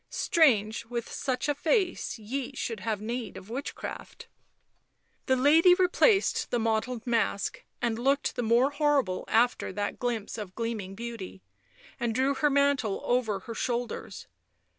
Strange with such a face ye should have need of witchcraft." The lady replaced the mottled task, that looked the more horrible after that glimpse of gleaming beauty, and drew her mantle over her shoulders.